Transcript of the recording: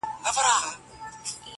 عاقبت غلیم د بل، دښمن د ځان دی!. !.